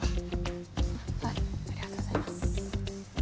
ありがとうございます。